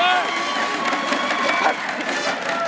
อรับ